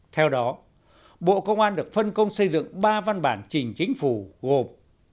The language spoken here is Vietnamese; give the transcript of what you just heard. theo đó bộ công an được phân công xây dựng ba văn bản chỉnh chính phủ gồm